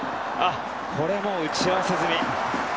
これも打ち合わせ済み。